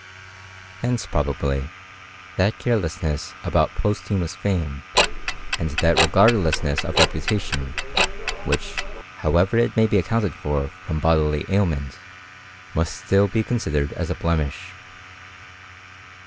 Hence, probably, that carelessness about posthumous fame, and that regard* lessness of reputation, which, however it may be ac counted for from bodily ailment, must still be consi dered as a blemish.